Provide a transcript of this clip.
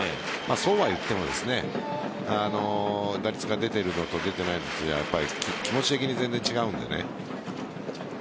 そうは言っても打率が出ているのと出ていないのでは気持ち的に全然違うので。